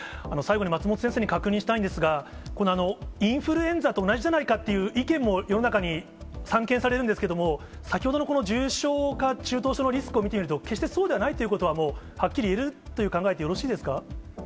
最後に松本先生に確認したいんですが、このインフルエンザと同じじゃないかという意見も、世の中に散見されるんですけども、先ほどのこの重症化、中等症のリスクを見ていると、決してそうではないということは、もう、はっきり言えると考えてよろしいですか。